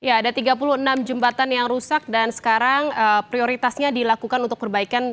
ya ada tiga puluh enam jembatan yang rusak dan sekarang prioritasnya dilakukan untuk perbaikan